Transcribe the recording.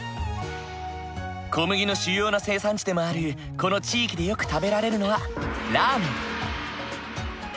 小麦の主要な生産地でもあるこの地域でよく食べられるのはラーメン。